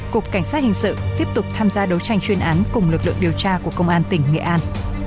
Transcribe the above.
cục cảnh sát hình sự tiếp tục tham gia đấu tranh chuyên án cùng lực lượng điều tra của công an tỉnh nghệ an